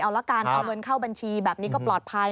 เอาละกันเอาเงินเข้าบัญชีแบบนี้ก็ปลอดภัย